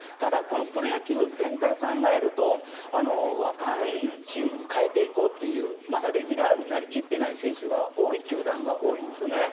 プロ野球全体を考えると若いチームに変えていこうというまだレギュラーになりきっていない選手が多い球団が多いんですよね。